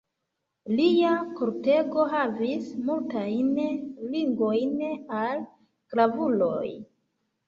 Lia kortego havis multajn ligojn al gravuloj.